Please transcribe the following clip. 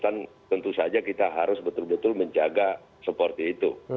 dan tentu saja kita harus betul betul menjaga seperti itu